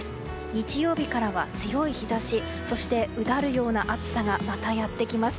日曜日からは強い日差しそして、うだるような暑さがまたやってきます。